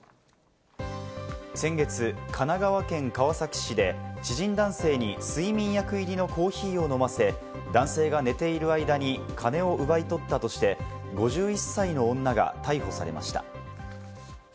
先月、神奈川県川崎市で知人男性に睡眠薬入りのコーヒーを飲ませ、男性が寝ている間に金を奪い取ったとして、５１歳の女が逮捕されました。